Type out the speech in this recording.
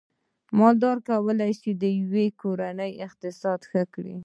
مالداري کولای شي د یوې کورنۍ اقتصاد ښه کړي